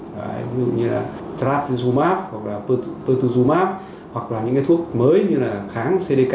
ví dụ như là tratizumab hoặc là pertuzumab hoặc là những cái thuốc mới như là kháng cdk bốn mươi sáu